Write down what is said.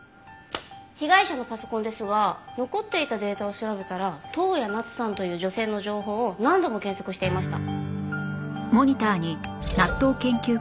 被害者のパソコンですが残っていたデータを調べたら登矢奈津さんという女性の情報を何度も検索していました。